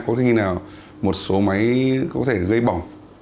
có khi nào một số máy có thể gây bỏng